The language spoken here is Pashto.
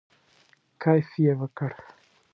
کیف یې وکړ.